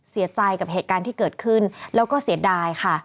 เสียใจกับเหตุการณ์ที่เกิดขึ้นแล้วก็เสียดายค่ะ